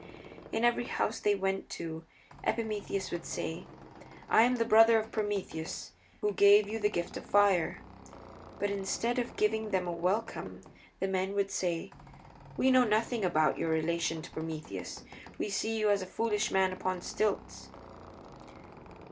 In every house they went to Epimetheus would say, "I am the brother of Prometheus, who gave you the gift of fire." But instead of giving them a welcome the men would say, "We know nothing about your relation to Prometheus. We see you as a foolish man upon stilts."